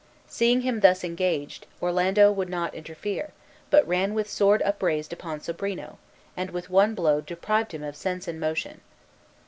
Seeing him thus engaged, Orlando would not interfere, but ran with sword upraised upon Sobrino, and with one blow deprived him of sense and motion.